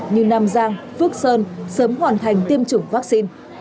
như nam giang phước sơn sớm hoàn thành tiêm chủng vaccine